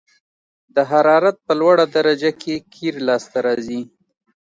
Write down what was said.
د حرارت په لوړه درجه کې قیر لاسته راځي